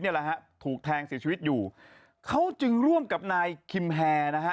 แหละฮะถูกแทงเสียชีวิตอยู่เขาจึงร่วมกับนายคิมแฮร์นะฮะ